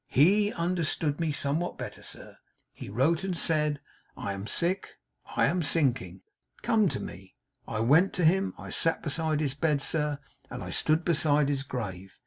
HE understood me somewhat better, sir. He wrote and said, "I am sick. I am sinking. Come to me!" I went to him. I sat beside his bed, sir, and I stood beside his grave.